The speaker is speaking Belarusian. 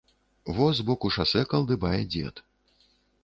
Во, збоку шасэ калдыбае дзед.